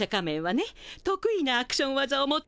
得意なアクション技を持っているのよ。